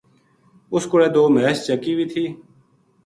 اس کوڑے دو مھیس چَکی وی تھی